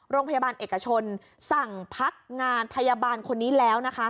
โรงพยาบาลเอกชนสั่งพักงานพยาบาลคนนี้แล้วนะคะ